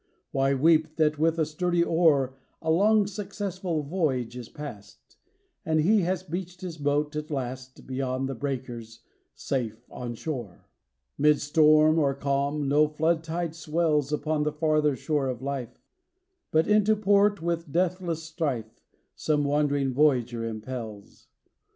Why weep that with a sturdy oar A long successful voyage is past, And he has beached his boat at last Beyond the breakers, safe on shore. Mid storm or calm, no flood tide swells Upon the farther shore of life But into port, with deathless strife, Some wandering voyager impels.